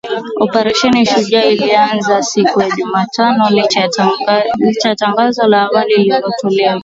Operesheni Shujaa iliongezwa siku ya Jumatano licha ya tangazo la awali lililotolewa